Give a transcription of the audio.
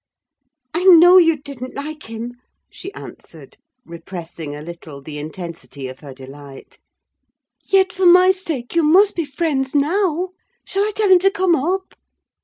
"I know you didn't like him," she answered, repressing a little the intensity of her delight. "Yet, for my sake, you must be friends now. Shall I tell him to come up?"